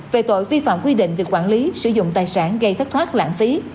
về tội vi phạm quy định về quản lý sử dụng tài sản gây thất thoát lãng phí